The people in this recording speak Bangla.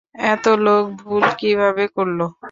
এতো লোক ভুল কিভাবে করলো?